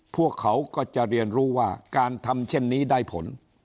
พวกเขาก็จะเรียนรู้ว่าการทำเช่นนี้ได้ผล